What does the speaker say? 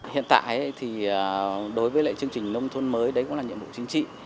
hiện tại đối với chương trình nông thôn mới đấy cũng là nhiệm vụ chính trị